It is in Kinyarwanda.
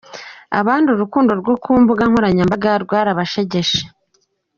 Abandi urukundo rwo ku mbuga nkoranyambaga rwarabashegeshe.